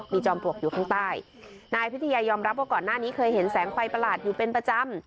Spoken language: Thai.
มีจอมปลวกอยู่ข้างใต้นายพิทยายอมรับว่าก่อนหน้านี้เคยเห็นแสงไฟประหลาดอยู่เป็นประจำ